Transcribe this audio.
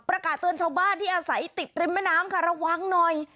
ประกาศเตือนชาวบ้านที่อาศัยติดริมแม่น้ำค่ะระวังหน่อย